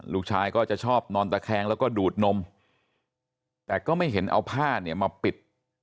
ลูกชายก็จะชอบนอนตะแคงแล้วก็ดูดนมแต่ก็ไม่เห็นเอาผ้าเนี่ยมาปิด